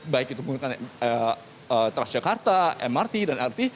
baik itu menggunakan transjakarta mrt dan lrt